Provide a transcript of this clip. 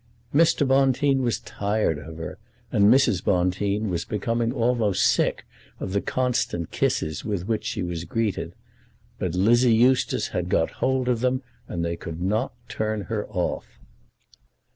Mr. Bonteen was tired of her, and Mrs. Bonteen was becoming almost sick of the constant kisses with which she was greeted; but Lizzie Eustace had got hold of them, and they could not turn her off.